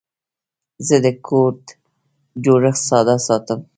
زه د کوډ جوړښت ساده ساتم.